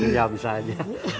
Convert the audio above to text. ya bisa aja